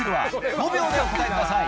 ５秒でお答えください。